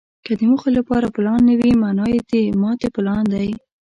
که د موخې لپاره پلان نه وي، مانا یې د ماتې پلان دی.